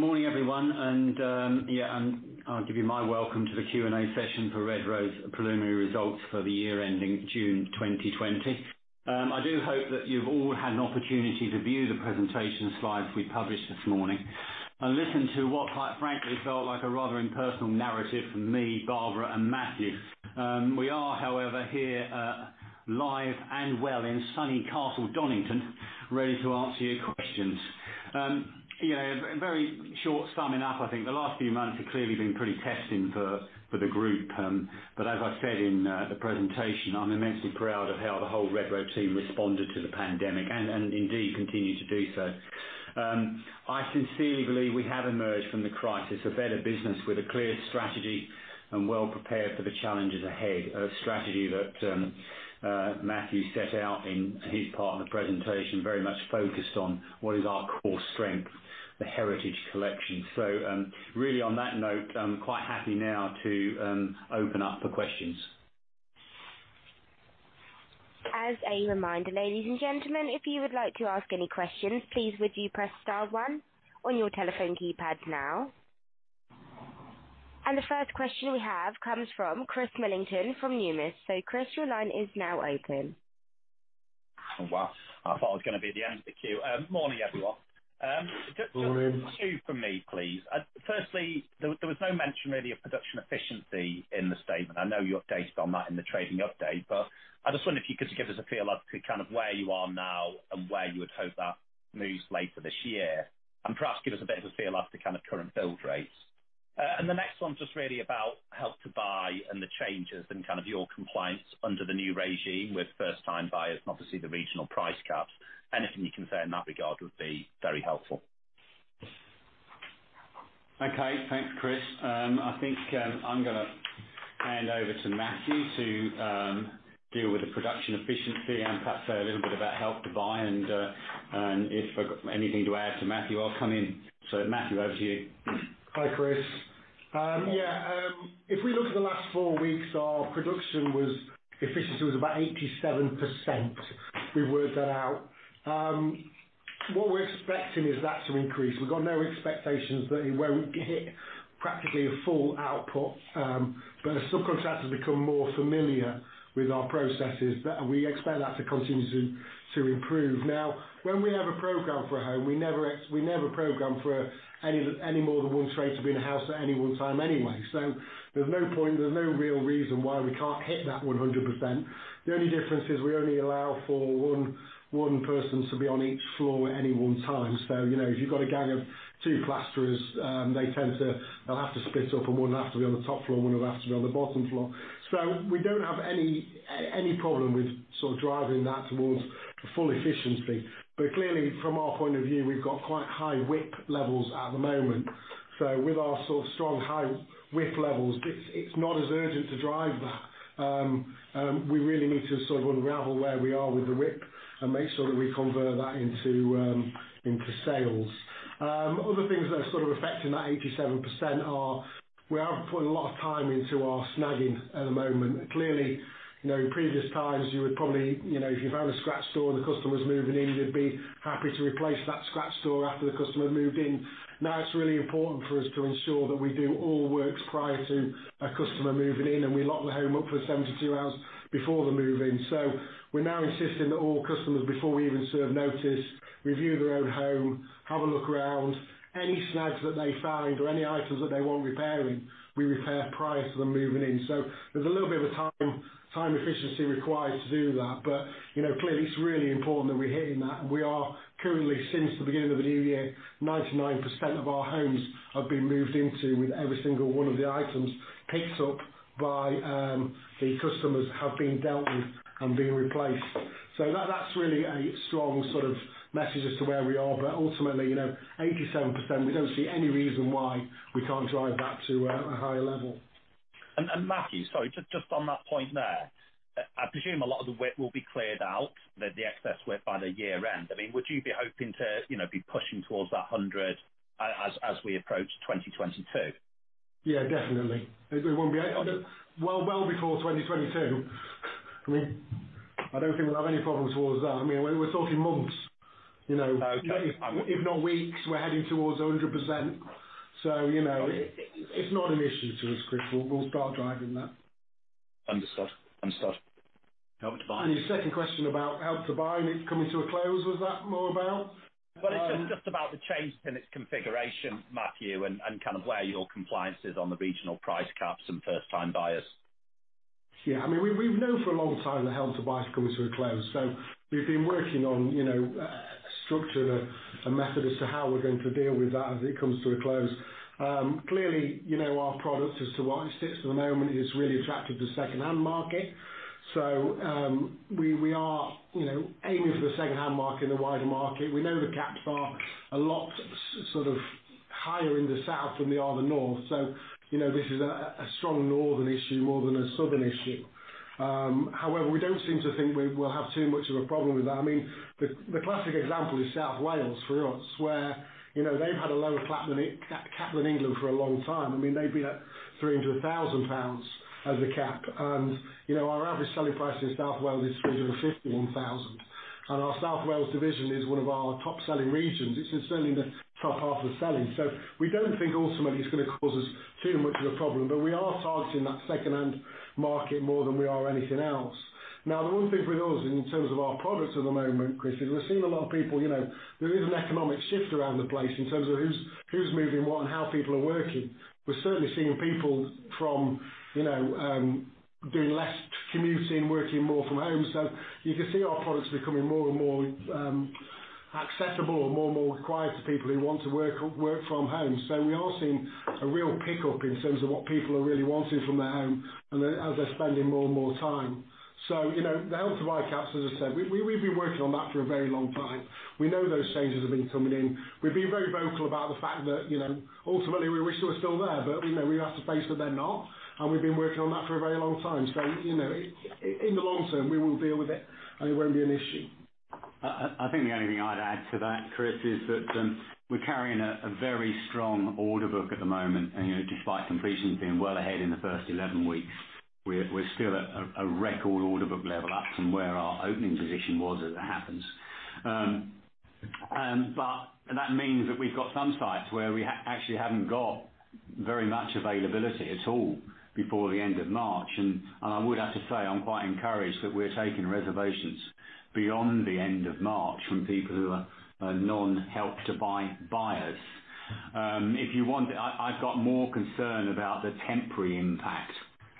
Good morning, everyone. I'll give you my welcome to the Q&A session for Redrow's Preliminary Results for the year ending June 2020. I do hope that you've all had an opportunity to view the presentation slides we published this morning and listen to what, quite frankly, felt like a rather impersonal narrative from me, Barbara, and Matthew. We are, however, here, live and well in sunny Castle Donington, ready to answer your questions. A very short summing up, I think the last few months have clearly been pretty testing for the group. As I said in the presentation, I'm immensely proud of how the whole Redrow team responded to the pandemic and indeed continue to do so. I sincerely believe we have emerged from the crisis a better business with a clear strategy and well prepared for the challenges ahead. A strategy that Matthew set out in his part of the presentation, very much focused on what is our core strength, the Heritage Collection. Really on that note, I'm quite happy now to open up for questions. As a reminder, ladies and gentlemen, if you would like to ask any questions, please would you press star one on your telephone keypad now. The first question we have comes from Chris Millington from Numis. Chris, your line is now open. Oh, wow. I thought I was going to be the end of the queue. Morning, everyone. Morning. Just two from me, please. Firstly, there was no mention really of production efficiency in the statement. I know you updated on that in the trading update, but I just wonder if you could give us a feel as to kind of where you are now and where you would hope that moves later this year. Perhaps give us a bit of a feel as to kind of current build rates. The next one is just really about Help to Buy and the changes and kind of your compliance under the new regime with first-time buyers and obviously the regional price caps. Anything you can say in that regard would be very helpful. Okay. Thanks, Chris. I think I'm going to hand over to Matthew to deal with the production efficiency and perhaps say a little bit about Help to Buy and, if I've got anything to add to Matthew, I will come in. Matthew, over to you. Hi, Chris. If we look at the last four weeks, our production efficiency was about 87%. We've worked that out. What we're expecting is that to increase. We've got no expectations that we won't hit practically a full output, but as subcontractors become more familiar with our processes, we expect that to continue to improve. When we have a program for a home, we never program for any more than one trade to be in a house at any one time anyway. There's no point, there's no real reason why we can't hit that 100%. The only difference is we only allow for one person to be on each floor at any one time. If you've got a gang of two plasterers, they'll have to split up and one will have to be on the top floor and one will have to be on the bottom floor. We don't have any problem with driving that towards full efficiency. Clearly, from our point of view, we've got quite high WIP levels at the moment. With our strong high WIP levels, it's not as urgent to drive that. We really need to unravel where we are with the WIP and make sure that we convert that into sales. Other things that are affecting that 87% are we are putting a lot of time into our snagging at the moment. Clearly, in previous times you would probably, if you found a scratched door and the customer's moving in, you'd be happy to replace that scratched door after the customer had moved in. It's really important for us to ensure that we do all works prior to a customer moving in, and we lock the home up for 72 hours before the move-in. We're now insisting that all customers, before we even serve notice, review their own home, have a look around. Any snags that they find or any items that they want repairing, we repair prior to them moving in. There's a little bit of a time efficiency required to do that. Clearly, it's really important that we're hitting that. We are currently, since the beginning of the new year, 99% of our homes have been moved into with every single one of the items picked up by the customers have been dealt with and been replaced. That's really a strong sort of message as to where we are. Ultimately, 87%, we don't see any reason why we can't drive that to a higher level. Matthew, sorry, just on that point there. I presume a lot of the WIP will be cleared out, the excess WIP, by the year-end. Would you be hoping to be pushing towards that 100 as we approach 2022? Yeah, definitely. Well before 2022. I don't think we'll have any problems towards that. We're talking months. Okay. If not weeks, we're heading towards 100%. It's not an issue to us, Chris. We'll start driving that. Understood. Help to Buy. Your second question about Help to Buy, and it's coming to a close. Was that more about? Well, it's just about the change in its configuration, Matthew, and kind of where your compliance is on the regional price caps and first-time buyers. Yeah. We've known for a long time that Help to Buy is coming to a close. We've been working on structuring a method as to how we're going to deal with that as it comes to a close. Clearly, our product as to what it sits for the moment is really attractive to second-hand market. We are aiming for the second-hand market and the wider market. We know the caps are a lot higher in the south than they are in the north. This is a strong northern issue more than a southern issue. However, we don't seem to think we'll have too much of a problem with that. The classic example is South Wales, for us, where they've had a lower flat than it Capital in England for a long time. They've been at 300,000 pounds as a cap. Our average selling price in South Wales is 351,000. Our South Wales division is one of our top selling regions. It's certainly in the top half of selling. We don't think ultimately it's going to cause us too much of a problem. We are targeting that second-hand market more than we are anything else. The one thing with us, in terms of our products at the moment, Chris, is we're seeing a lot of people, there is an economic shift around the place in terms of who's moving what and how people are working. We're certainly seeing people doing less commuting, working more from home. You can see our products becoming more and more accessible and more and more required to people who want to work from home. We are seeing a real pickup in terms of what people are really wanting from their home and as they're spending more and more time. The Help to Buy caps, as I said, we've been working on that for a very long time. We know those changes have been coming in. We've been very vocal about the fact that ultimately we wish they were still there, but we have to face that they're not, and we've been working on that for a very long time. In the long term, we will deal with it and it won't be an issue. I think the only thing I'd add to that, Chris, is that we're carrying a very strong order book at the moment. Despite completions being well ahead in the first 11 weeks, we're still at a record order book level up from where our opening position was as it happens. That means that we've got some sites where we actually haven't got very much availability at all before the end of March. I would have to say, I'm quite encouraged that we're taking reservations beyond the end of March from people who are non-Help to Buy buyers. I've got more concern about the temporary impact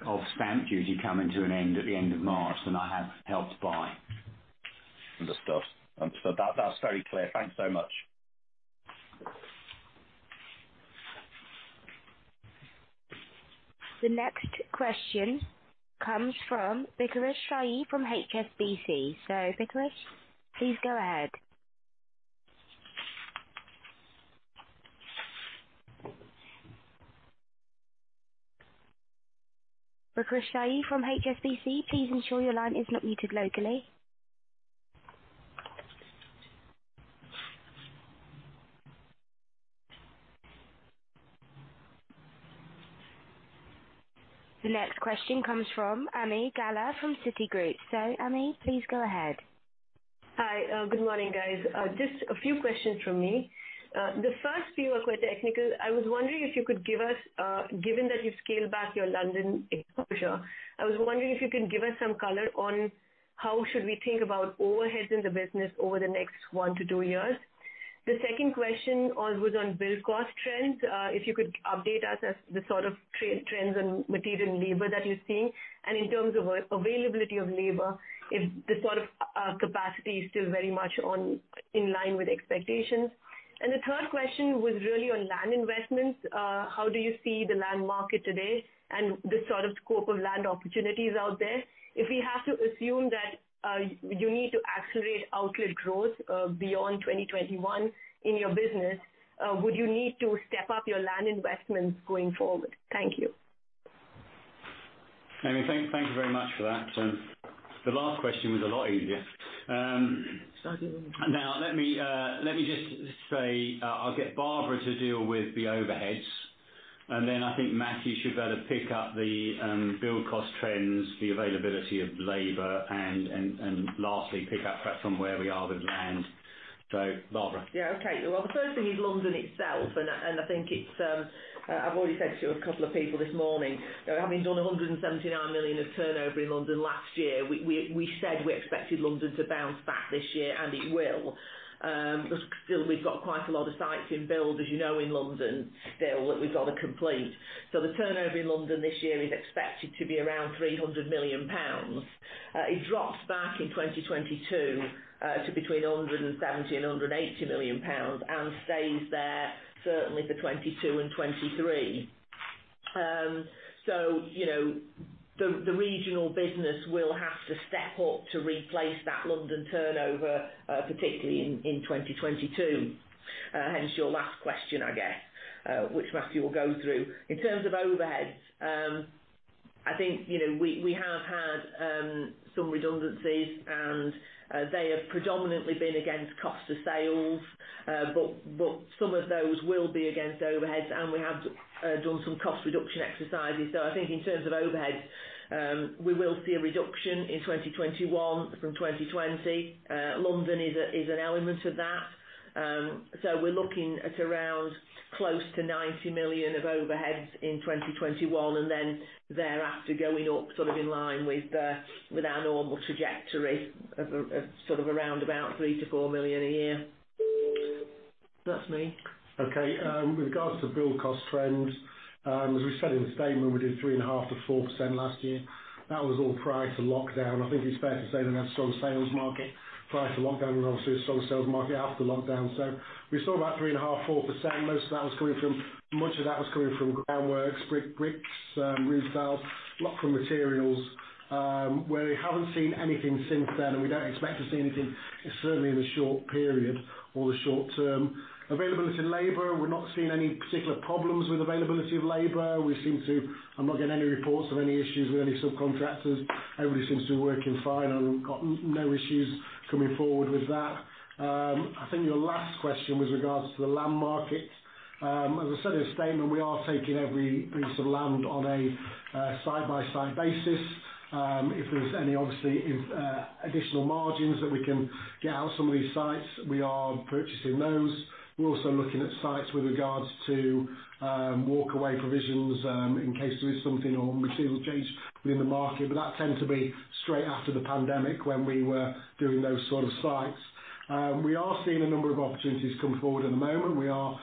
of stamp duty coming to an end at the end of March than I have Help to Buy. Understood. That's very clear. Thanks so much. The next question comes from Bikash Shahi from HSBC. Bikash, please go ahead. Bikash Shahi from HSBC, please ensure your line is not muted locally. The next question comes from Ami Galla from Citigroup. Ami, please go ahead. Hi. Good morning, guys. Just a few questions from me. The first few were quite technical. I was wondering if you could give us, given that you've scaled back your London exposure, I was wondering if you can give us some color on how should we think about overheads in the business over the next one- two years. The second question was on build cost trends, if you could update us as the sort of trends on material and labor that you're seeing, and in terms of availability of labor, if the sort of capacity is still very much in line with expectations. The third question was really on land investments. How do you see the land market today and the sort of scope of land opportunities out there? If we have to assume that you need to accelerate outlet growth beyond 2021 in your business, would you need to step up your land investments going forward? Thank you. Ami, thank you very much for that. The last question was a lot easier. Starting. Let me just say, I'll get Barbara to deal with the overheads, and then I think Matthew should be able to pick up the build cost trends, the availability of labor, and lastly, pick up perhaps on where we are with land. Barbara. Yeah. Okay. The first thing is London itself. I've already said to a couple of people this morning, having done 179 million of turnover in London last year, we said we expected London to bounce back this year. It will. We've got quite a lot of sites in build, as you know, in London still, that we've got to complete. The turnover in London this year is expected to be around 300 million pounds. It drops back in 2022 to between 170 million pounds and GBP 180 million and stays there certainly for 2022 and 2023. The regional business will have to step up to replace that London turnover, particularly in 2022. Hence your last question, I guess, which Matthew will go through. In terms of overheads, I think we have had some redundancies, and they have predominantly been against cost of sales, but some of those will be against overheads, and we have done some cost reduction exercises. I think in terms of overheads, we will see a reduction in 2021 from 2020. London is an element of that. We're looking at around close to 90 million of overheads in 2021, and then thereafter going up sort of in line with our normal trajectory of sort of around about 3 million-4 million a year. That's me. Okay. With regards to build cost trends, as we said in the statement, we did 3.5%-4% last year. That was all prior to lockdown. I think it's fair to say that's strong sales market prior to lockdown and obviously a strong sales market after lockdown. We saw about 3.5%, 4%. Much of that was coming from groundworks, bricks, roof tiles, block from materials, where we haven't seen anything since then, and we don't expect to see anything certainly in the short period or the short term. Availability of labor, we're not seeing any particular problems with availability of labor. I'm not getting any reports of any issues with any subcontractors. Everybody seems to be working fine, and we've got no issues coming forward with that. I think your last question was regards to the land market. As I said in the statement, we are taking every piece of land on a side-by-side basis. If there's any obviously additional margins that we can get out of some of these sites, we are purchasing those. We're also looking at sites with regards to Walk away provisions in case there is something or material change within the market, but that tend to be straight after the pandemic when we were doing those sort of sites. We are seeing a number of opportunities come forward at the moment. We are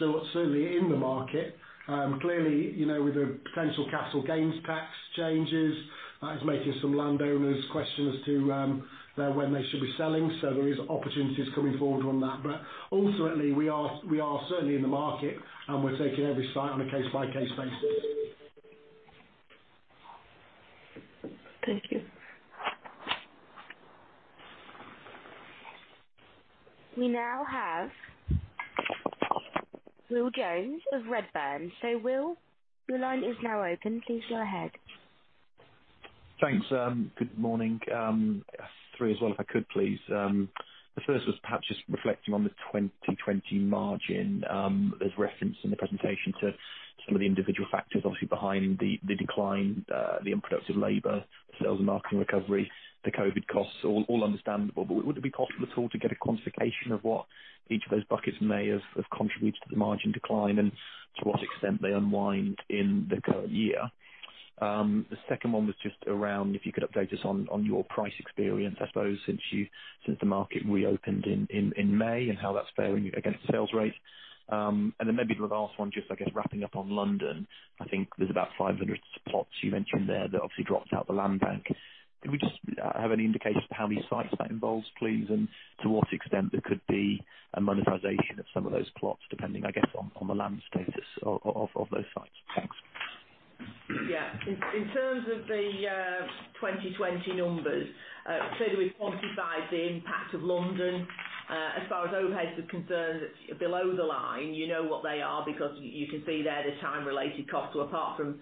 certainly in the market. Clearly, with the potential capital gains tax changes, that is making some landowners question as to when they should be selling. There is opportunities coming forward on that. Ultimately, we are certainly in the market and we're taking every site on a case-by-case basis. Thank you. We now have Will Jones of Redburn. Will, your line is now open. Please go ahead. Thanks. Good morning. Three as well if I could, please. The first was perhaps just reflecting on the 2020 margin. There's reference in the presentation to some of the individual factors, obviously behind the decline, the unproductive labor, sales and marketing recovery, the COVID costs, all understandable. Would it be possible at all to get a quantification of what each of those buckets may have contributed to the margin decline, and to what extent they unwind in the current year? The second one was just around if you could update us on your price experience, I suppose since the market reopened in May and how that's fairing against sales rate. Maybe the last one just, I guess wrapping up on London, I think there's about 500 plots you mentioned there that obviously drops out the land bank. Do we just have any indication of how many sites that involves, please, and to what extent there could be a monetization of some of those plots, depending, I guess, on the land status of those sites? Thanks. Yeah. In terms of the 2020 numbers, I said we've quantified the impact of London. As far as overhead is concerned, below the line, you know what they are because you can see there the time-related costs. Apart from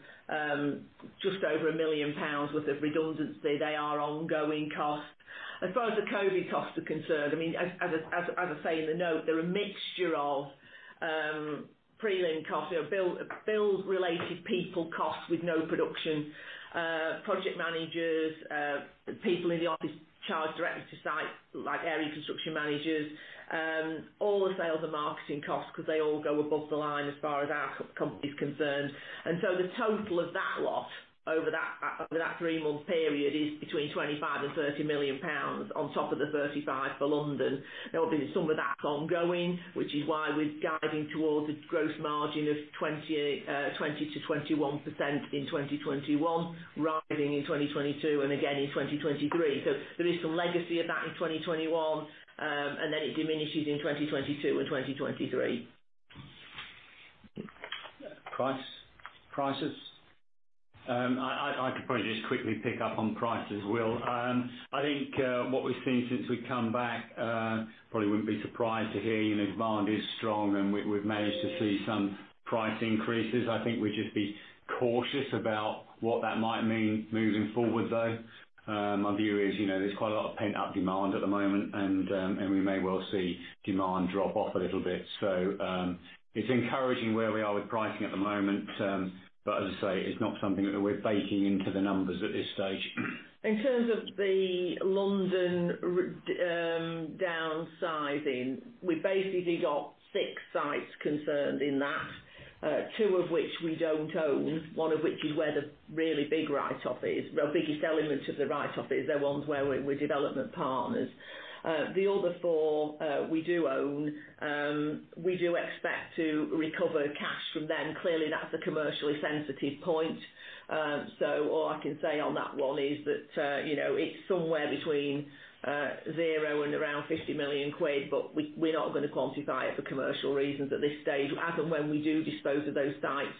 just over 1 million pounds worth of redundancy, they are ongoing costs. As far as the COVID costs are concerned, as I say in the note, they're a mixture of prelim costs, build-related people costs with no production, project managers, people in the office charged directly to site, like area construction managers. All the sales are marketing costs because they all go above the line as far as our company is concerned. The total of that lot over that three-month period is between 25 million-30 million pounds on top of the 35 million for London. Obviously, some of that's ongoing, which is why we're guiding towards a gross margin of 20%-21% in 2021, rising in 2022 and again in 2023. There is some legacy of that in 2021, and then it diminishes in 2022 and 2023. Prices? I could probably just quickly pick up on prices, Will. I think what we've seen since we've come back, probably wouldn't be surprised to hear, demand is strong and we've managed to see some price increases. I think we'd just be cautious about what that might mean moving forward, though. My view is there's quite a lot of pent-up demand at the moment, and we may well see demand drop off a little bit. It's encouraging where we are with pricing at the moment, but as I say, it's not something that we're baking into the numbers at this stage. In terms of the London downsizing, we basically got six sites concerned in that, two of which we don't own, one of which is where the really big write-off is. Well, biggest element of the write-off is the ones where we're development partners. The other four, we do own. We do expect to recover cash from them. Clearly, that's a commercially sensitive point. All I can say on that one is that it's somewhere between zero and around 50 million quid, but we're not going to quantify it for commercial reasons at this stage. As and when we do dispose of those sites,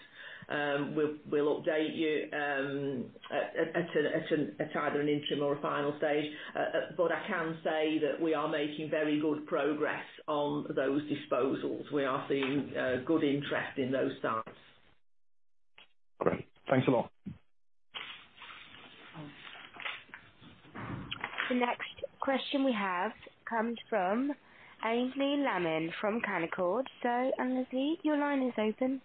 we'll update you at either an interim or a final stage. I can say that we are making very good progress on those disposals. We are seeing good interest in those sites. Great. Thanks a lot. The next question we have comes from Aynsley Lammin from Canaccord. Aynsley, your line is open.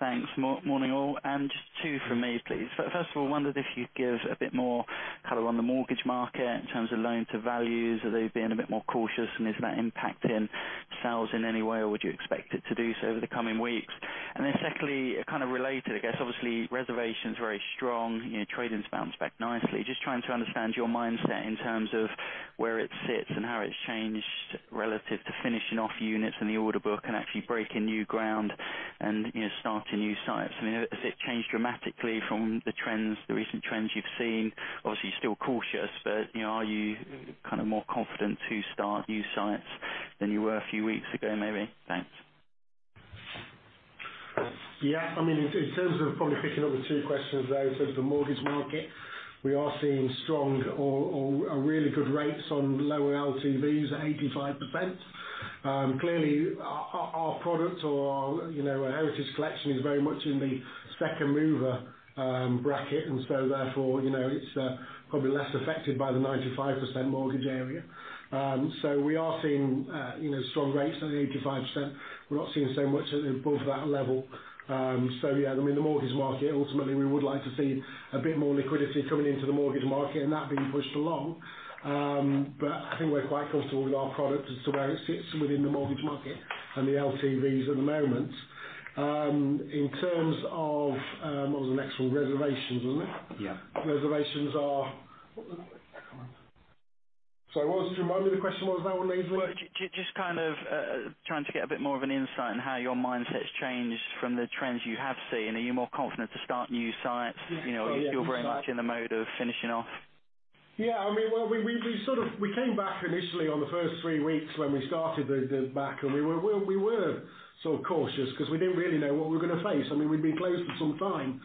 All right. Thanks. Morning, all. Just two from me, please. First of all, wondered if you'd give a bit more color on the mortgage market in terms of loan to values. Are they being a bit more cautious, and is that impacting sales in any way, or would you expect it to do so over the coming weeks? Secondly, kind of related, I guess, obviously reservations very strong. Trade-ins bounced back nicely. Just trying to understand your mindset in terms of where it sits and how it's changed relative to finishing off units in the order book and actually breaking new ground and starting new sites. Has it changed dramatically from the recent trends you've seen? Obviously, you're still cautious, but are you more confident to start new sites than you were a few weeks ago, maybe? Thanks. Yeah. In terms of probably picking up the two questions there, in terms of the mortgage market, we are seeing strong or really good rates on lower LTVs at 85%. Clearly, our product or our Heritage Collection is very much in the second mover bracket, and so therefore, it's probably less affected by the 95% mortgage area. We are seeing strong rates at 85%. We're not seeing so much above that level. Yeah, in the mortgage market, ultimately, we would like to see a bit more liquidity coming into the mortgage market and that being pushed along. I think we're quite comfortable with our product as to where it sits within the mortgage market and the LTVs at the moment. In terms of what was the next one? Reservations, wasn't it? Yeah. Sorry, what was it? Just remind me the question was now, Lindsay. Just kind of trying to get a bit more of an insight on how your mindset's changed from the trends you have seen. Are you more confident to start new sites? Oh, yeah. If you're very much in the mode of finishing off. Yeah. We came back initially on the first three weeks when we started back, and we were cautious because we didn't really know what we were going to face. We'd been closed for some time.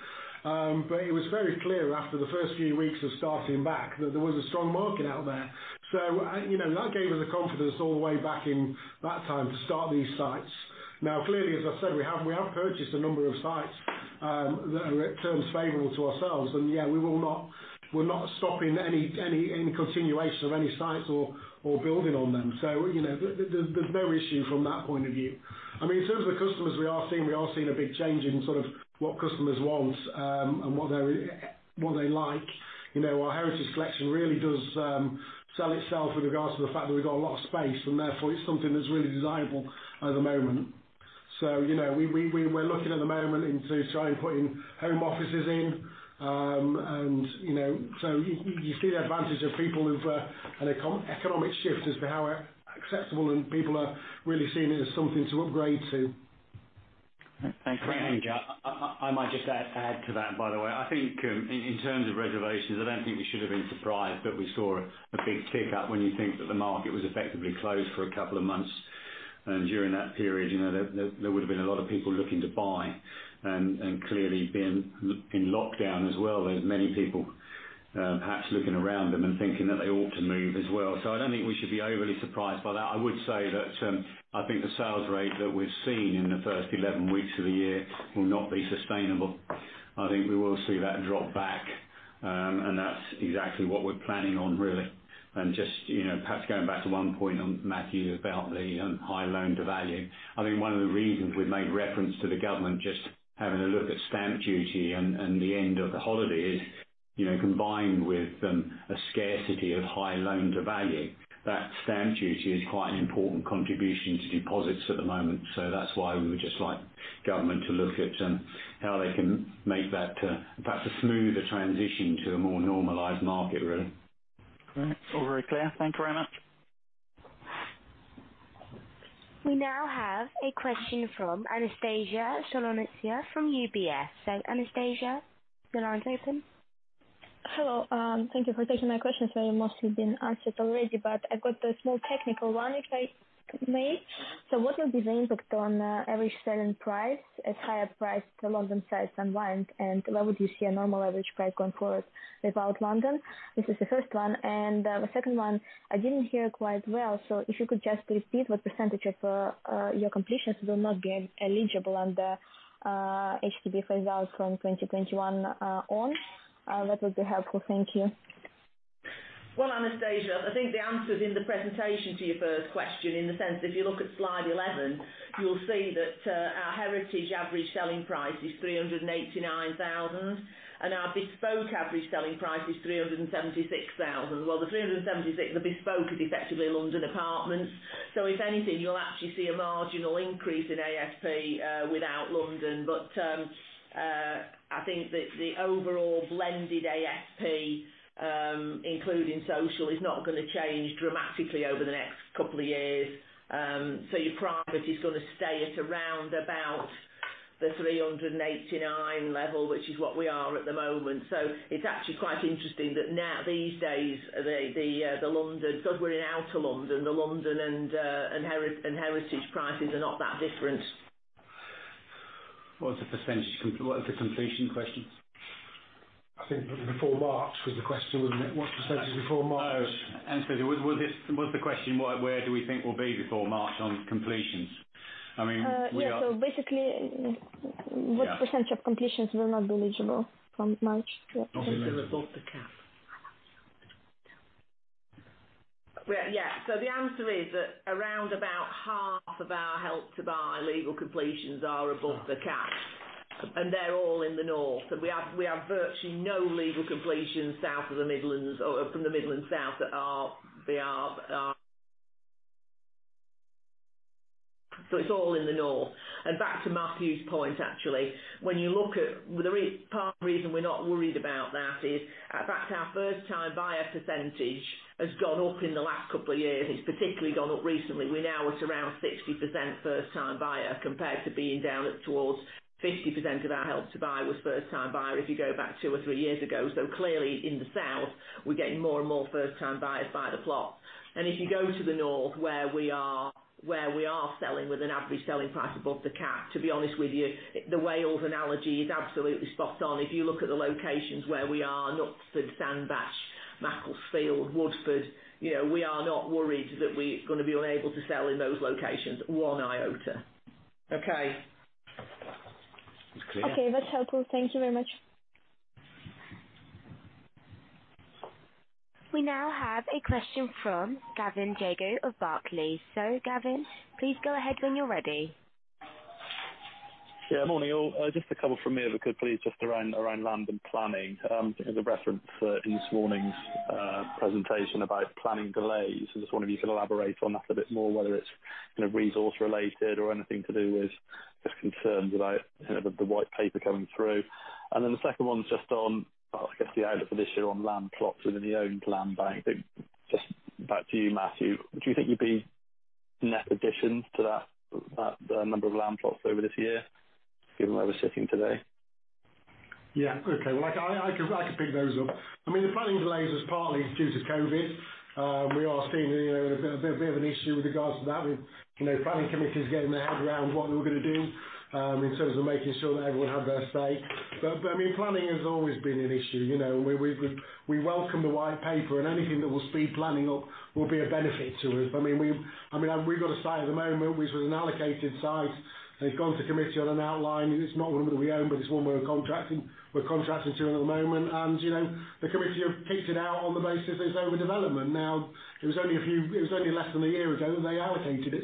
It was very clear after the first few weeks of starting back that there was a strong market out there. That gave us the confidence all the way back in that time to start these sites. Now, clearly, as I said, we have purchased a number of sites that are at terms favorable to ourselves. Yeah, we're not stopping any continuation of any sites or building on them. There's no issue from that point of view. In terms of the customers, we are seeing a big change in sort of what customers want, and what they like. Our Heritage Collection really does sell itself with regards to the fact that we've got a lot of space, therefore, it's something that's really desirable at the moment. We're looking at the moment into trying putting home offices in. You see the advantage of people who've had an economic shift as to how acceptable and people are really seeing it as something to upgrade to. Thanks very much. I might just add to that, by the way. I think in terms of reservations, I don't think we should have been surprised that we saw a big tick up when you think that the market was effectively closed for a couple of months. During that period, there would have been a lot of people looking to buy. Clearly being in lockdown as well, there's many people perhaps looking around them and thinking that they ought to move as well. I don't think we should be overly surprised by that. I would say that I think the sales rate that we've seen in the first 11 weeks of the year will not be sustainable. I think we will see that drop back, and that's exactly what we're planning on, really. Just perhaps going back to one point on Matthew about the high loan-to-value. I think one of the reasons we've made reference to the government just having a look at stamp duty and the end of the holiday is, combined with a scarcity of high loan-to-value, that stamp duty is quite an important contribution to deposits at the moment. That's why we would just like the government to look at how they can make that perhaps a smoother transition to a more normalized market, really. Great. All very clear. Thank you very much. We now have a question from Anastasia Solovyeva from UBS. Anastasia, you are now open. Hello. Thank you for taking my questions. They have mostly been answered already. I've got a small technical one, if I may. What will be the impact on average selling price as higher priced London sites unwind, and where would you see a normal average price going forward without London? This is the first one. The second one, I didn't hear quite well, so if you could just repeat what percentage of your completions will not be eligible under HTB phase out from 2021 onwards. That would be helpful. Thank you. Anastasia, I think the answer is in the presentation to your first question, in the sense if you look at slide 11, you will see that our Heritage average selling price is 389,000, and our Bespoke average selling price is 376,000. The 376, the Bespoke, is effectively a London apartment. If anything, you'll actually see a marginal increase in ASP without London. I think that the overall blended ASP, including social, is not going to change dramatically over the next couple of years. Your price is going to stay at around about the 389,000 level, which is what we are at the moment. It's actually quite interesting that these days, because we're in outer London, the London and Heritage prices are not that different. What was the completion question? I think before March was the question, wasn't it? What percentage before March? Anastasia, was the question where do we think we'll be before March on completions? Yeah. Yeah. What percentage of completions will not be eligible from March-April? Obviously, above the cap. Yeah. The answer is that around about half of our Help to Buy legal completions are above the cap, and they're all in the North. We have virtually no legal completions south of the Midlands, or from the Midlands south. It's all in the North. Back to Matthew's point, actually, when you look at the part of the reason we're not worried about that is, in fact, our first time buyer percentage has gone up in the last couple of years. It's particularly gone up recently. We're now at around 60% first time buyer compared to being down towards 50% of our Help to Buy was first time buyer, if you go back two or three years ago. Clearly in the South, we're getting more and more first time buyers by the plot. If you go to the North, where we are selling with an average selling price above the cap, to be honest with you, the Wales analogy is absolutely spot on. If you look at the locations where we are, Knutsford, Sandbach, Macclesfield, Woodford, we are not worried that we're going to be unable to sell in those locations one iota. Okay. It's clear. Okay, that's helpful. Thank you very much. We now have a question from Gavin Jago of Barclays. Gavin, please go ahead when you're ready. Yeah. Morning, all. Just a couple from me if I could, please, just around land and planning, as a reference for this morning's presentation about planning delays. I just wonder if you could elaborate on that a bit more, whether it's resource related or anything to do with just concerns about the White Paper coming through. The second one's just on, I guess, the outlook for this year on land plots within the owned land bank. Just back to you, Matthew. Do you think you'd be net additions to that number of land plots over this year, given where we're sitting today? Yeah. Okay. Well, I could pick those up. The planning delays is partly due to COVID. We are seeing a bit of an issue with regards to that, with planning committees getting their head around what we're going to do in terms of making sure that everyone had their say. Planning has always been an issue. We welcome the White Paper and anything that will speed planning up will be a benefit to us. We've got a site at the moment, which was an allocated site, and it's gone to committee on an outline. It's not one that we own, but it's one we're contracting to at the moment. The committee have kicked it out on the basis there's overdevelopment. Now, it was only less than a year ago that they allocated it.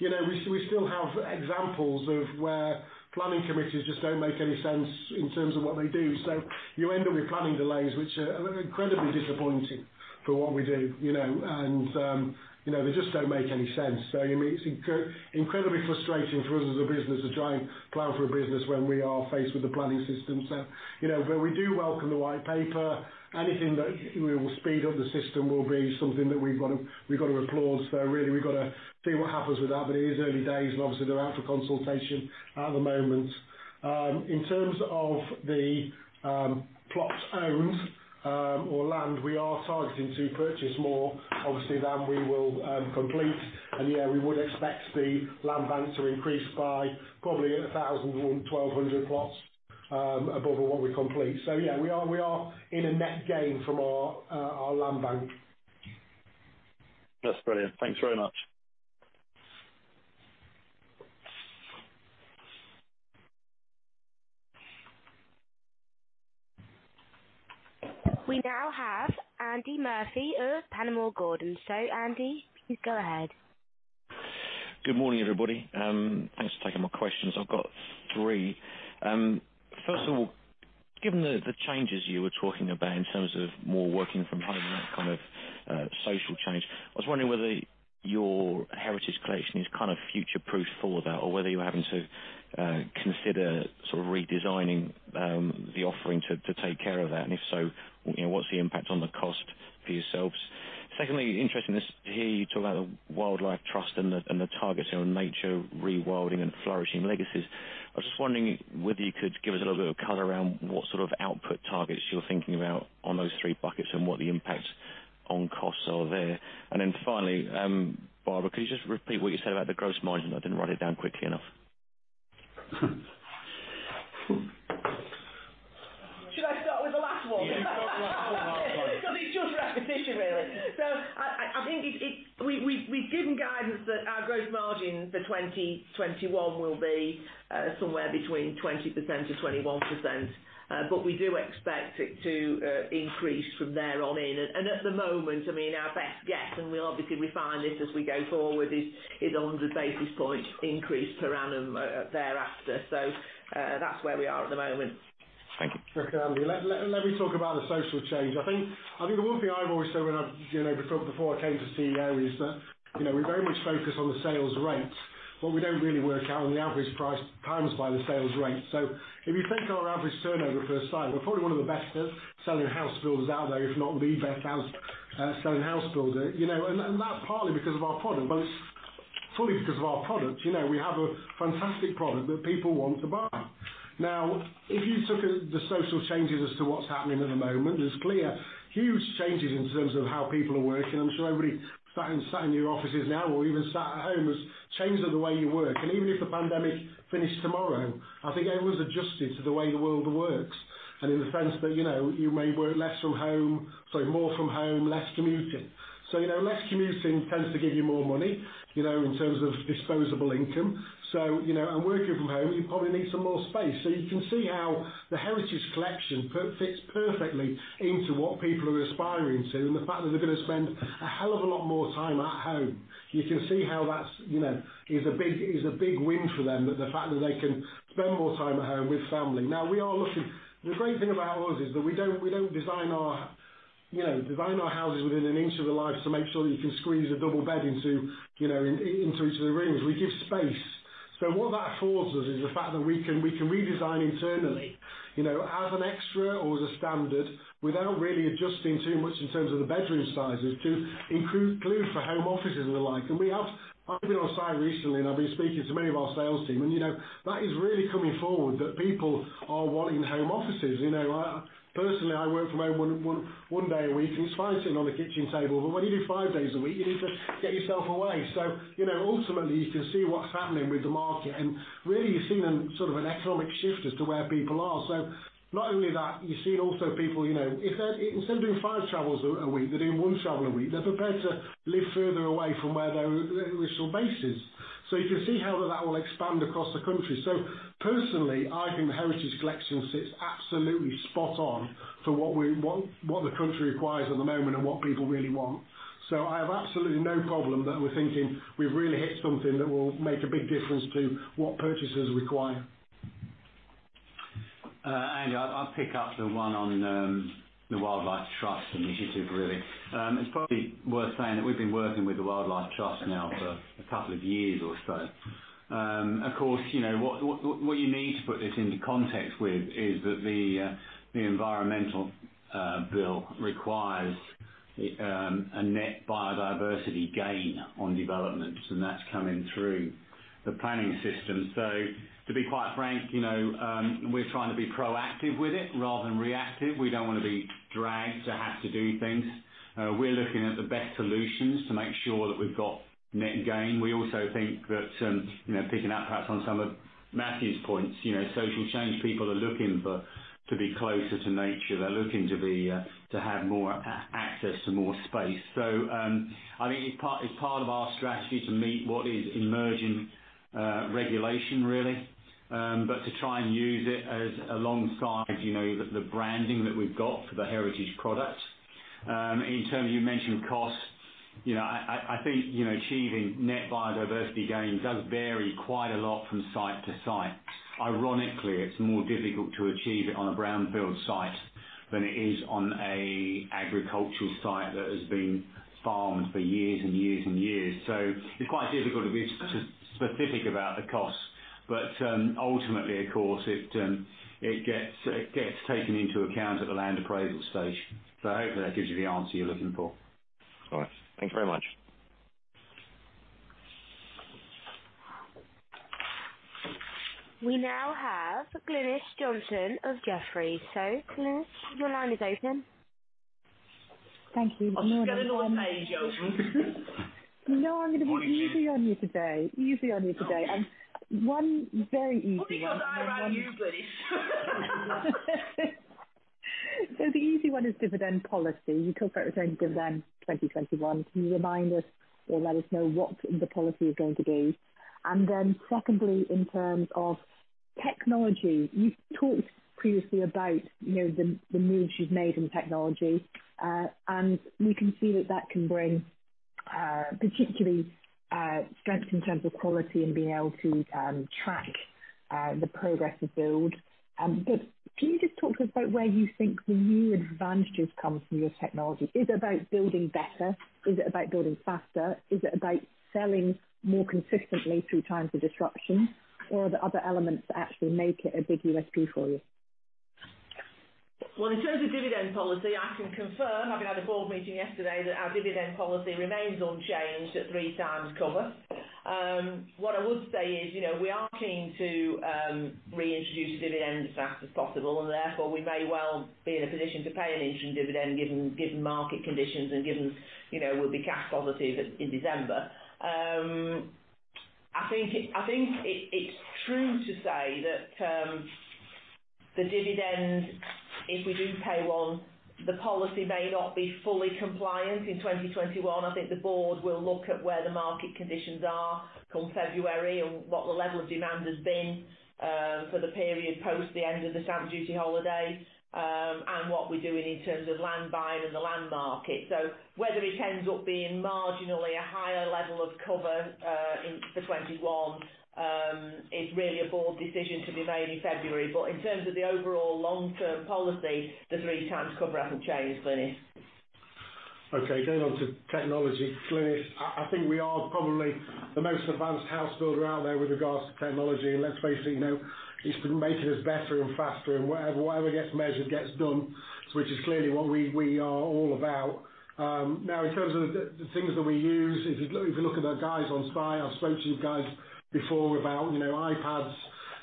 We still have examples of where planning committees just don't make any sense in terms of what they do. You end up with planning delays, which are incredibly disappointing for what we do. They just don't make any sense. It's incredibly frustrating for us as a business, a giant plan for a business when we are faced with the planning system. We do welcome the white paper. Anything that will speed up the system will be something that we've got to applaud. Really, we've got to see what happens with that, but it is early days, and obviously they're out for consultation at the moment. In terms of the plots owned, or land, we are targeting to purchase more obviously than we will complete. We would expect the land bank to increase by probably 1,000-1,200 plots above what we complete. Yeah, we are in a net gain from our land bank. That's brilliant. Thanks very much. We now have Andy Murphy of Panmure Gordon. Andy, please go ahead. Good morning, everybody. Thanks for taking my questions. I've got three. First of all, given the changes you were talking about in terms of more working from home and that kind of social change, I was wondering whether your Heritage Collection is future-proofed for that or whether you're having to consider redesigning the offering to take care of that. If so, what's the impact on the cost for yourselves? Secondly, interesting to hear you talk about the Wildlife Trust and the targets around nature, rewilding, and flourishing legacies. I was just wondering whether you could give us a little bit of color around what sort of output targets you're thinking about on those three buckets and what the impacts on costs are there. Then finally, Barbara, could you just repeat what you said about the gross margin? I didn't write it down quickly enough. Should I start with the last one? Yeah, you start with the last one. It's just repetition, really. I think we've given guidance that our gross margin for 2021 will be somewhere between 20%-21%, but we do expect it to increase from there on in. At the moment, our best guess, and we'll obviously refine this as we go forward, is 100 basis points increase per annum thereafter. That's where we are at the moment. Thank you. Okay, Andy. Let me talk about the social change. I think the one thing I've always said before I came to CEO, is that, we very much focus on the sales rate, but we don't really work out on the average price times by the sales rate. If you think of our average turnover per site, we're probably one of the best selling house builders out there, if not the best selling house builder. That's partly because of our product, but it's fully because of our product. We have a fantastic product that people want to buy. If you took the social changes as to what's happening at the moment, there's clear huge changes in terms of how people are working. I'm sure everybody sat in your offices now or even sat at home has changed the way you work. Even if the pandemic finished tomorrow, I think everyone's adjusted to the way the world works. In the sense that you may work more from home, less commuting. Less commuting tends to give you more money, in terms of disposable income. Working from home, you probably need some more space. You can see how the Heritage Collection fits perfectly into what people are aspiring to, and the fact that they're going to spend a hell of a lot more time at home. You can see how that's a big win for them, the fact that they can spend more time at home with family. We are looking The great thing about ours is that we don't design our houses within an inch of their lives to make sure that you can squeeze a double bed into each of the rooms. We give space. What that affords us is the fact that we can redesign internally, as an extra or as a standard, without really adjusting too much in terms of the bedroom sizes to include for home offices and the like. I've been on site recently, and I've been speaking to many of our sales team, and that is really coming forward, that people are wanting home offices. Personally, I work from home one day a week, and it's fine sitting on the kitchen table, when you do five days a week, you need to get yourself away. Ultimately, you can see what's happening with the market, and really you're seeing an economic shift as to where people are. Not only that, you're seeing also people, instead of doing five travels a week, they're doing one travel a week. They're prepared to live further away from their original bases. You can see how that will expand across the country. Personally, I think the Heritage Collection sits absolutely spot on for what the country requires at the moment and what people really want. I have absolutely no problem that we're thinking we've really hit something that will make a big difference to what purchasers require. Andy, I'll pick up the one on The Wildlife Trusts initiative, really. It's probably worth saying that we've been working with The Wildlife Trusts now for a couple of years or so. Of course, what you need to put this into context with is that the Environment Bill requires a net biodiversity gain on developments, and that's coming through the planning system. To be quite frank, we're trying to be proactive with it rather than reactive. We don't want to be dragged to have to do things. We're looking at the best solutions to make sure that we've got net gain. We also think that, picking up perhaps on some of Matthew's points, social change people are looking to be closer to nature. They're looking to have more access to more space. I think it's part of our strategy to meet what is emerging regulation really, but to try and use it alongside the branding that we've got for the Heritage product. In terms of, you mentioned cost. I think achieving biodiversity net gain does vary quite a lot from site to site. Ironically, it's more difficult to achieve it on a brownfield site than it is on a agricultural site that has been farmed for years and years and years. It's quite difficult to be specific about the costs. Ultimately, of course, it gets taken into account at the land appraisal stage. I hope that gives you the answer you're looking for. All right. Thank you very much. We now have Glynis Johnson of Jefferies. Glynis, your line is open. Thank you. I'm just getting all the easy ones, Johnson. No, I'm going to be- Morning, Glynis. Easy on you today. Easy on you today. Okay. One very easy one. What have you got there around you, Glynis? The easy one is dividend policy. You confirmed dividend 2021. Can you remind us or let us know what the policy is going to be? Secondly, in terms of technology, you talked previously about the moves you've made in technology. We can see that that can bring particularly strengths in terms of quality and being able to track the progress of build. Can you just talk to us about where you think the new advantages come from your technology? Is it about building better? Is it about building faster? Is it about selling more consistently through times of disruption? Are there other elements that actually make it a big USP for you? Well, in terms of dividend policy, I can confirm, having had a board meeting yesterday, that our dividend policy remains unchanged at 3x cover. What I would say is, we are keen to reintroduce a dividend as fast as possible, and therefore, we may well be in a position to pay an interim dividend given market conditions and given we'll be cash positive in December. I think it's true to say that the dividend, if we do pay one, the policy may not be fully compliant in 2021. I think the board will look at where the market conditions are come February and what the level of demand has been for the period post the end of the stamp duty holiday, and what we're doing in terms of land buying and the land market. Whether it ends up being marginally a higher level of cover for 2021 is really a board decision to be made in February. In terms of the overall long-term policy, the 3x cover hasn't changed, Glynis. Okay. Going on to technology, Glynis. I think we are probably the most advanced housebuilder out there with regards to technology, and let's face it's been making us better and faster and whatever gets measured gets done, which is clearly what we are all about. Now, in terms of the things that we use, if you look at our guys on site, I've spoken to you guys before about iPads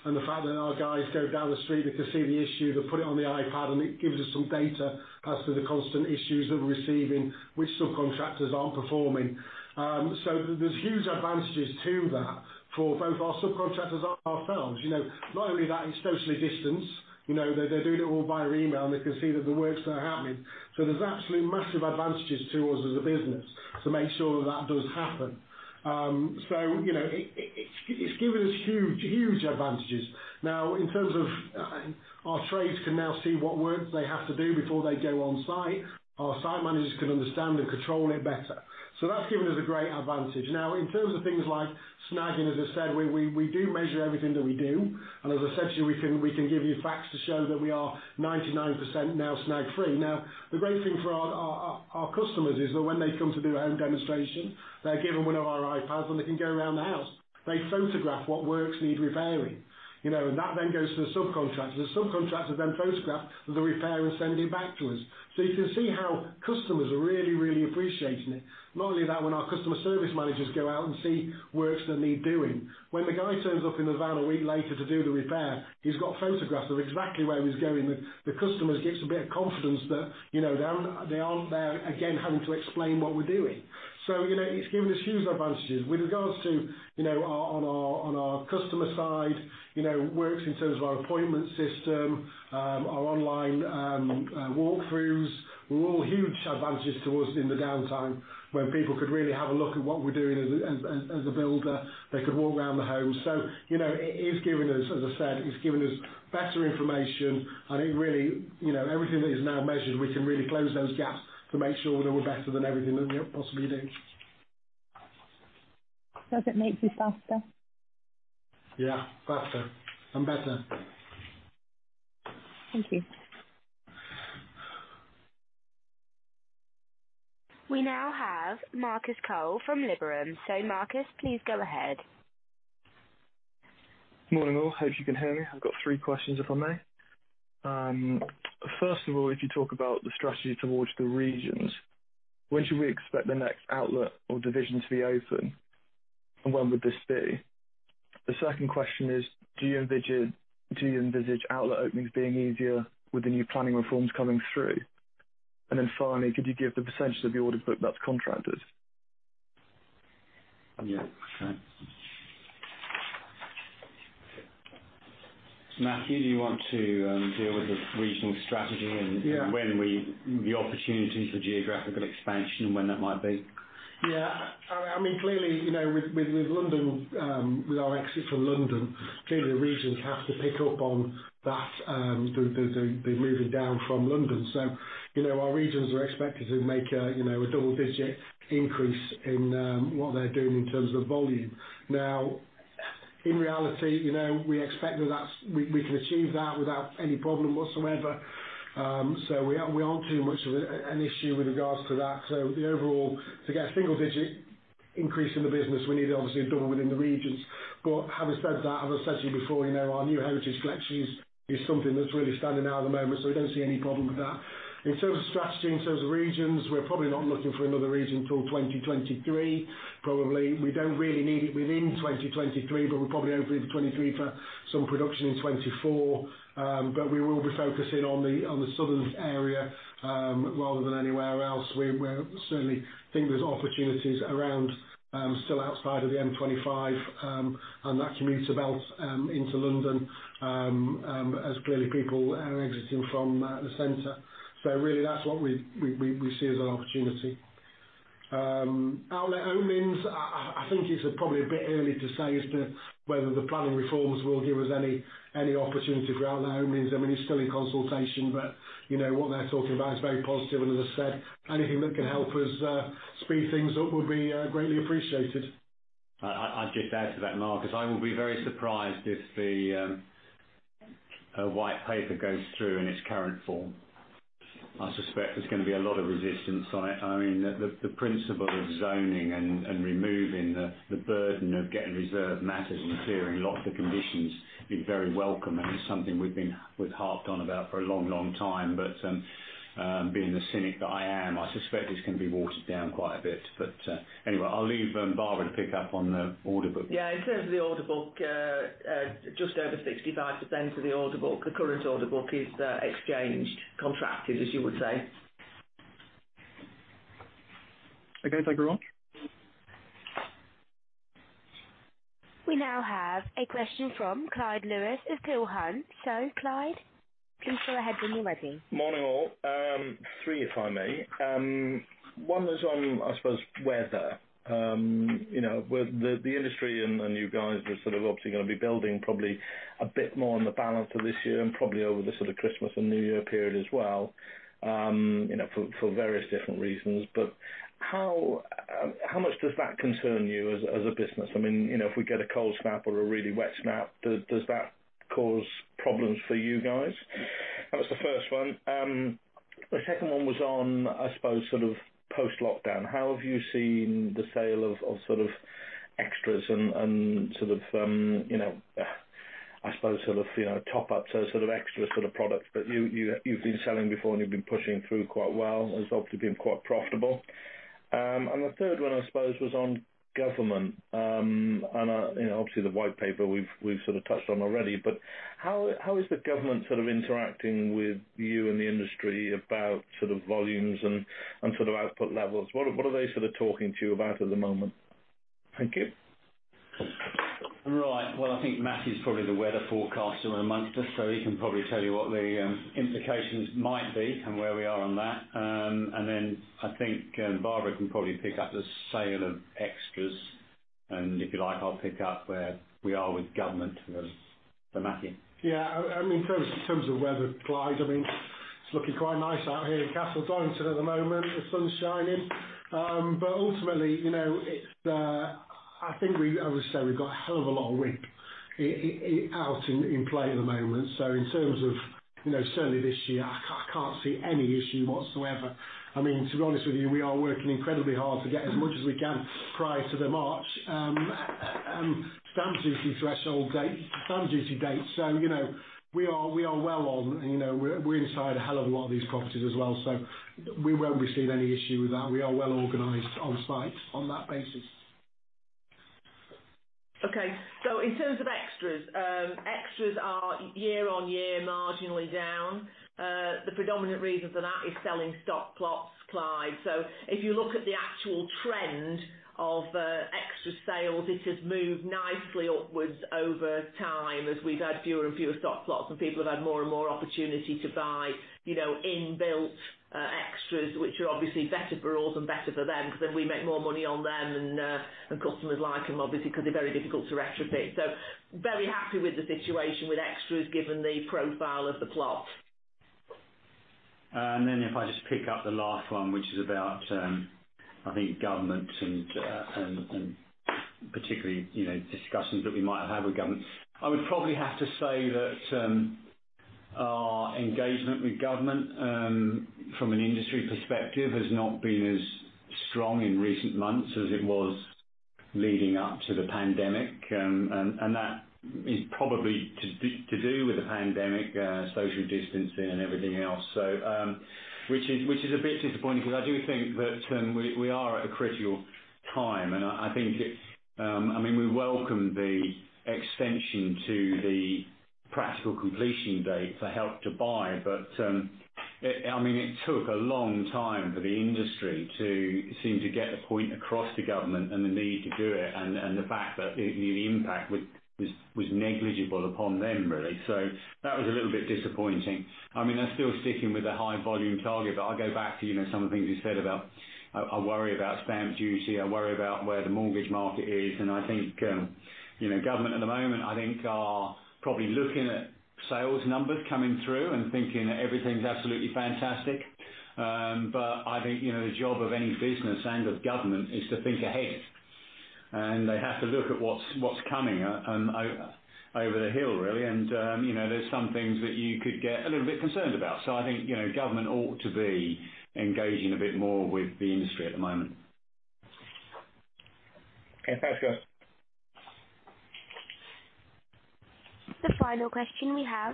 and the fact that our guys go down the street, they can see the issue, they put it on the iPad, and it gives us some data as to the constant issues that we're receiving, which subcontractors aren't performing. Not only that, it's socially distanced. They're doing it all via email. They can see that the works are happening. There's absolutely massive advantages to us as a business to make sure that that does happen. It's given us huge advantages. In terms of our trades can now see what works they have to do before they go on site. Our site managers can understand and control it better. That's given us a great advantage. In terms of things like snagging, as I said, we do measure everything that we do, and as I said to you, we can give you facts to show that we are 99% now snag-free. The great thing for our customers is that when they come to do a home demonstration, they're given one of our iPads, and they can go around the house. They photograph what works need repairing. That then goes to the subcontractor. The subcontractor then photographs the repair and sends it back to us. You can see how customers are really appreciating it. Not only that, when our customer service managers go out and see works that need doing, when the guy turns up in the van a week later to do the repair, he's got photographs of exactly where he's going. The customers gets a bit of confidence that they aren't there again having to explain what we're doing. It's given us huge advantages. With regards to on our customer side, works in terms of our appointment system, our online walkthroughs, were all huge advantages to us in the downtime when people could really have a look at what we're doing as a builder. They could walk around the home. It is giving us, as I said, it's giving us better information, and everything that is now measured, we can really close those gaps to make sure that we're better than everything that we possibly do. Does it make you faster? Yeah, faster and better. Thank you. We now have Marcus Cole from Liberum. Marcus, please go ahead. Morning all. Hope you can hear me. I've got three questions, if I may. First of all, if you talk about the strategy towards the regions, when should we expect the next outlet or division to be open? When would this be? The second question is, do you envisage outlet openings being easier with the new planning reforms coming through? Finally, could you give the % of the order book that's contracted? Yeah. Okay. Matthew, do you want to deal with the regional strategy? Yeah The opportunity for geographical expansion and when that might be? Yeah. Clearly, with our exit from London, clearly regions have to pick up on that, the moving down from London. Our regions are expected to make a double-digit increase in what they're doing in terms of volume. Now, in reality, we expect we can achieve that without any problem whatsoever. We aren't too much of an issue with regards to that. Overall, to get a single-digit increase in the business, we need obviously a double within the regions. Having said that, as I said to you before, our new Heritage Collection is something that's really standing out at the moment, so we don't see any problem with that. In terms of strategy, in terms of regions, we're probably not looking for another region till 2023, probably. We don't really need it within 2023, but we're probably hoping for 2023 for some production in 2024. We will be focusing on the southern area, rather than anywhere else. We certainly think there's opportunities around, still outside of the M25, and that commuter belt into London, as clearly people are exiting from the center. Really that's what we see as an opportunity. Outlet openings, I think it's probably a bit early to say as to whether the planning reforms will give us any opportunity for outlet openings. It's still in consultation, but what they're talking about is very positive and as I said, anything that can help us speed things up would be greatly appreciated. I'd just add to that, Marcus, I will be very surprised if the White Paper goes through in its current form. I suspect there's going to be a lot of resistance on it. The principle of zoning and removing the burden of getting reserved matters and clearing lots of conditions would be very welcome, and it's something we've harped on about for a long, long time. Being the cynic that I am, I suspect it's going to be watered down quite a bit. Anyway, I'll leave Barbara to pick up on the order book. Yeah. In terms of the order book, just over 65% of the order book, the current order book is exchanged, contracted, as you would say. Okay. Thank you very much. We now have a question from Clyde Lewis of Peel Hunt. Clyde, please go ahead when you're ready. Morning all. Three, if I may. One was on, I suppose, weather. The industry and you guys are obviously going to be building probably a bit more in the balance of this year and probably over the Christmas and New Year period as well, for various different reasons. How much does that concern you as a business? If we get a cold snap or a really wet snap, does that cause problems for you guys? That was the first one. The second one was on, I suppose, post-lockdown. How have you seen the sale of extras and, I suppose, top-ups or extra products that you've been selling before and you've been pushing through quite well, has obviously been quite profitable. The third one, I suppose, was on government. Obviously, the White Paper we've touched on already, how is the government interacting with you and the industry about volumes and output levels? What are they talking to you about at the moment? Thank you. Right. Well, I think Matthew's probably the weather forecaster amongst us, so he can probably tell you what the implications might be and where we are on that. I think Barbara can probably pick up the sale of extras. If you like, I'll pick up where we are with government. Matthew. Yeah. In terms of weather, Clyde, it's looking quite nice out here in Castle Donington at the moment. The sun's shining. Ultimately, I would say we've got a hell of a lot of rig out in play at the moment. In terms of certainly this year, I can't see any issue whatsoever. To be honest with you, we are working incredibly hard to get as much as we can prior to the March stamp duty dates. We are well on. We're inside a hell of a lot of these properties as well, so we won't be seeing any issue with that. We are well organized on site on that basis. Okay. In terms of extras. Extras are year-over-year, marginally down. The predominant reason for that is selling stock plots, Clyde. If you look at the actual trend of extra sales, it has moved nicely upwards over time as we've had fewer and fewer stock plots and people have had more and more opportunity to buy in-built extras, which are obviously better for us and better for them because then we make more money on them, and customers like them obviously, because they're very difficult to retrofit. Very happy with the situation with extras given the profile of the plots. If I just pick up the last one, which is about, I think government and particularly discussions that we might have with government. I would probably have to say that our engagement with government, from an industry perspective, has not been as strong in recent months as it was leading up to the pandemic. That is probably to do with the pandemic, social distancing and everything else. It is a bit disappointing because I do think that we are at a critical time, and I think, we welcome the extension to the practical completion date for Help to Buy, but it took a long time for the industry to seem to get the point across to government and the need to do it, and the fact that the impact was negligible upon them, really. That was a little bit disappointing. They're still sticking with the high volume target. I go back to some of the things you said about, I worry about stamp duty, I worry about where the mortgage market is, and I think government at the moment are probably looking at sales numbers coming through and thinking that everything's absolutely fantastic. I think, the job of any business and of government is to think ahead, and they have to look at what's coming over the hill, really. There's some things that you could get a little bit concerned about. I think, government ought to be engaging a bit more with the industry at the moment. Okay, thanks guys. The final question we have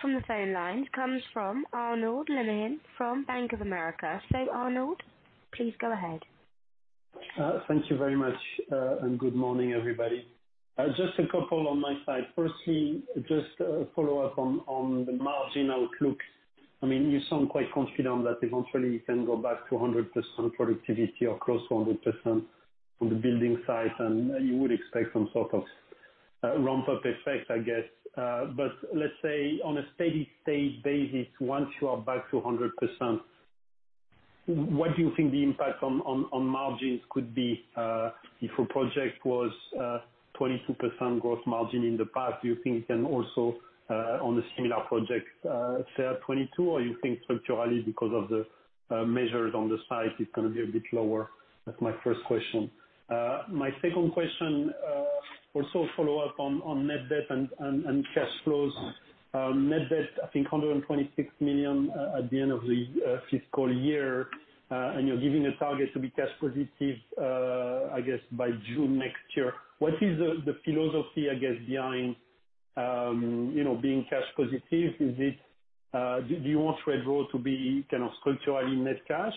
from the phone lines comes from Arnaud Lehmann from Bank of America. Arnaud, please go ahead. Thank you very much. Good morning, everybody. Just a couple on my side. Firstly, just a follow-up on the margin outlook. You sound quite confident that eventually you can go back to 100% productivity or close to 100% on the building side. You would expect some sort of ramp-up effect, I guess. Let's say, on a steady state basis, once you are back to 100%, what do you think the impact on margins could be? If a project was 22% gross margin in the past, do you think it can also, on a similar project, be 22%, or you think structurally because of the measures on the site, it's going to be a bit lower? That's my first question. My second question, also a follow-up on net debt and cash flows. Net debt, I think 126 million at the end of the fiscal year, and you're giving a target to be cash positive, I guess by June next year. What is the philosophy, I guess, behind being cash positive? Do you want Redrow to be structurally net cash?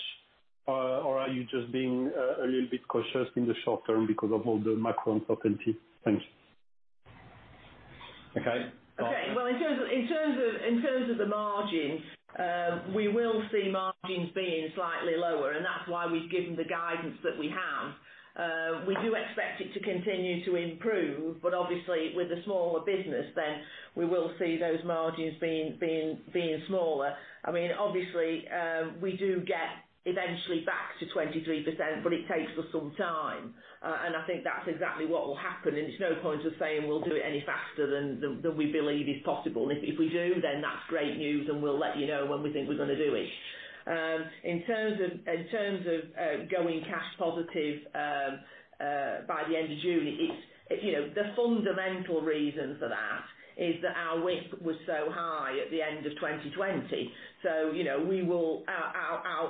Or are you just being a little bit cautious in the short term because of all the macro uncertainty? Thanks. Okay. Okay. Well, in terms of the margins, we will see margins being slightly lower. That's why we've given the guidance that we have. We do expect it to continue to improve. Obviously with the smaller business, then we will see those margins being smaller. Obviously, we do get eventually back to 23%. It takes us some time. I think that's exactly what will happen. There's no point of saying we'll do it any faster than we believe is possible. If we do, then that's great news, and we'll let you know when we think we're going to do it. In terms of going cash positive by the end of June, the fundamental reason for that is that our WIP was so high at the end of 2020.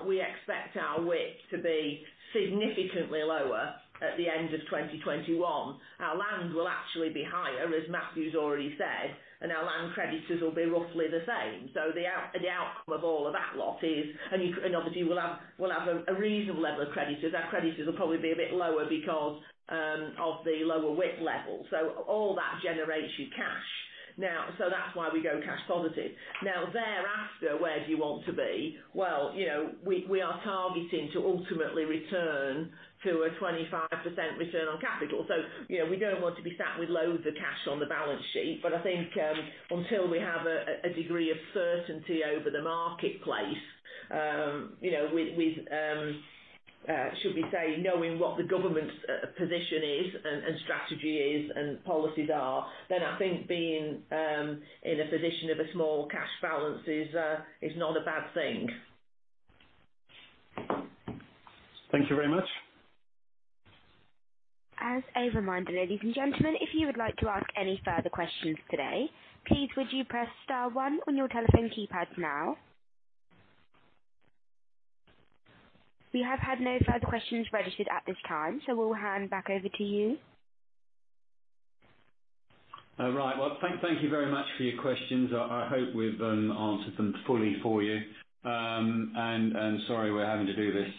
We expect our WIP to be significantly lower at the end of 2021. Our land will actually be higher, as Matthew's already said, and our land creditors will be roughly the same. The outcome of all of that lot is. Obviously, we'll have a reasonable level of creditors. Our creditors will probably be a bit lower because of the lower WIP level. All that generates you cash. That's why we go cash positive. Thereafter, where do you want to be? We are targeting to ultimately return to a 25% return on capital. We don't want to be sat with loads of cash on the balance sheet, but I think until we have a degree of certainty over the marketplace, with, should we say, knowing what the government's position is and strategy is, and policies are, then I think being in a position of a small cash balance is not a bad thing. Thank you very much. As a reminder, ladies and gentlemen, if you would like to ask any further questions today, please would you press star one on your telephone keypad now? We have had no further questions registered at this time, so we'll hand back over to you. All right. Well, thank you very much for your questions. I hope we've answered them fully for you. Sorry we're having to do this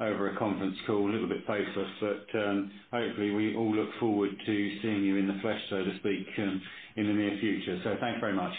over a conference call, a little bit faceless, but hopefully we all look forward to seeing you in the flesh, so to speak, in the near future. Thanks very much.